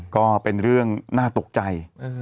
ก็เป็นเรื่องน่าตกใจ